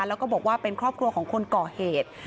แล้วก็บอกว่าเป็นครอบครัวของคนก่อเหตุ